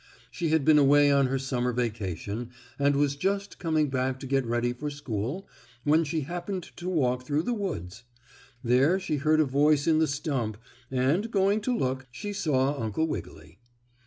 She had been away on her summer vacation, and was just coming back to get ready for school when she happened to walk through the woods. There she heard a voice in the stump, and, going to look, she saw Uncle Wiggily.